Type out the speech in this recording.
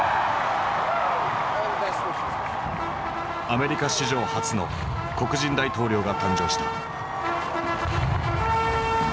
アメリカ史上初の黒人大統領が誕生した。